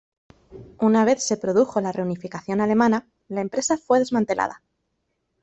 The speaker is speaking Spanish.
Una vez se produjo la reunificación alemana, la empresa fue desmantelada.